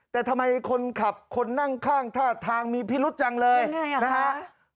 แต่ทำไมคนขับคนนั่งข้างท่าทางมีพิรุษจังเลยนะฮะ